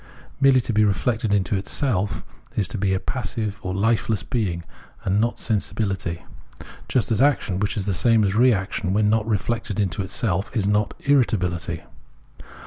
Merely to be reflected into itself is to be a passive, or hfeless being, and not sensibility; just as action — which is the same as reaction — when not reflected into self, is not irritability.